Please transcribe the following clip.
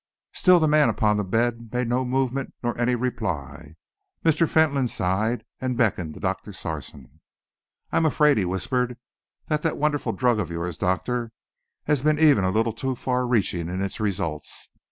Still the man upon the bed made no movement nor any reply. Mr. Fentolin sighed and beckoned to Doctor Sarson. "I am afraid," he whispered, "that that wonderful drug of yours, Doctor, has been even a little too far reaching in its results.